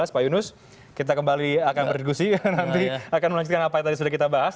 pak yunus kita kembali akan berdiskusi nanti akan melanjutkan apa yang tadi sudah kita bahas